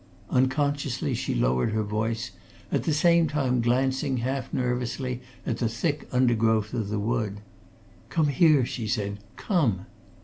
Unconsciously, she lowered her voice, at the same time glancing, half nervously, at the thick undergrowth of the wood. "Come here!" she said. "Come!"